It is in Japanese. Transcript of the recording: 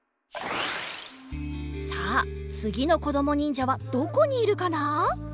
さあつぎのこどもにんじゃはどこにいるかな？